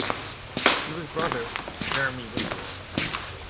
He was brother to Jeremy Whichcote.